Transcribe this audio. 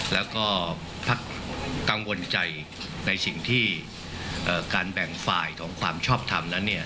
แล้วก็พักกังวลใจในสิ่งที่การแบ่งฝ่ายของความชอบทำนั้นเนี่ย